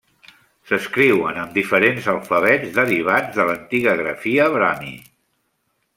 S'escriuen amb diferents alfabets derivats de l'antiga grafia brahmi.